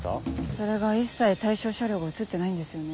それが一切対象車両が写ってないんですよね。